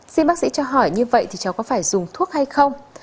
xin bác sĩ cho hỏi như vậy thì cháu có phải dùng thuốc hay không